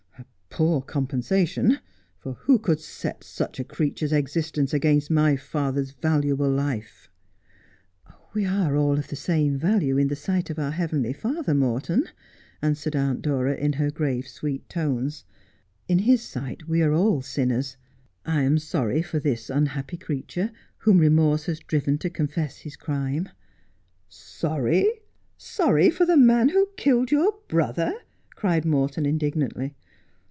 A poor compensation, for who could set such a crea ture's existence against my father's valuable life 1 '' We are all of the same value in the sight of our Heavenly Father, Morton,' answered Aunt Dora, in her grave, sweet tones. ' In His sight we are all sinners. I am sorry for this unhappy creature whom remorse has driven to confess his crime.' ' Sorry ! Sorry for the man who killed your brother 1 ' cried Morton indignantly.